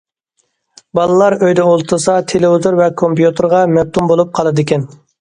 بالىلار ئۆيدە ئولتۇرسا تېلېۋىزور ۋە كومپيۇتېرغا مەپتۇن بولۇپ قالىدىكەن.